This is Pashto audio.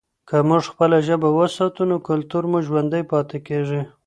که موږ خپله ژبه وساتو نو کلتور مو ژوندی پاتې کېږي.